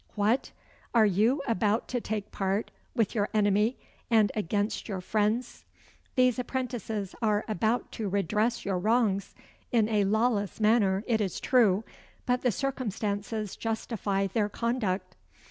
"What! are you about to take part with your enemy and against your friends? These apprentices are about to redress your wrongs in a lawless manner it is true but the circumstances justify their conduct."